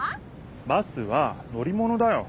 バスはのりものだよ。